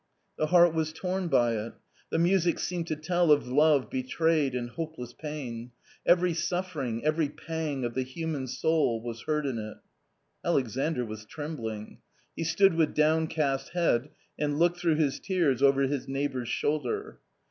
The heart was torn by it ; the music seemed to tell of love betrayed and hope less pain. Every suffering, every pang of the human soul was heard in it. Alexandr was trembling. He stood with downcast head and looked through his tears over his neighbour's shoulder.